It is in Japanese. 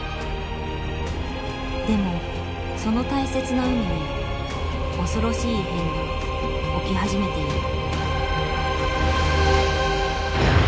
でもその大切な海に恐ろしい異変が起き始めている。